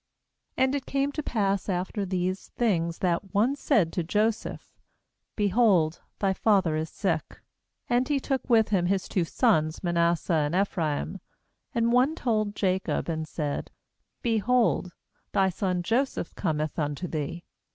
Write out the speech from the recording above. AQ And it came to pass after these things, that one said to Joseph: 'Behold, thy father is sick.' And he took with him his two sons, Manasseh and Ephraim. 2And one told Jacob, and said: 'Behold, thy son Joseph cometh unto thee.'